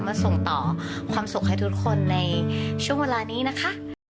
มาส่งต่อความสุขให้ทุกคนในช่วงเวลานี้นะคะ